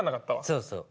そうそう。